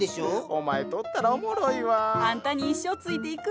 お前とおったらおもろいわぁ。